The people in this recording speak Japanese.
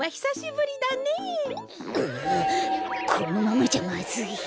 ううこのままじゃまずい。